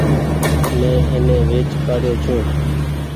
مين ايني ويچ ڪآڙيو ڇون ۔